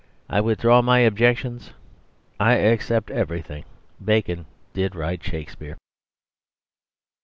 I withdraw my objections; I accept everything; bacon did write Shakespeare."